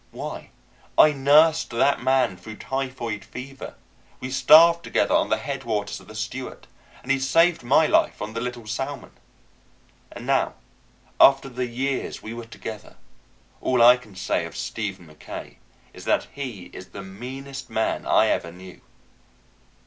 Why, I nursed that man through typhoid fever; we starved together on the headwaters of the Stewart; and he saved my life on the Little Salmon. And now, after the years we were together, all I can say of Stephen Mackaye is that he is the meanest man I ever knew.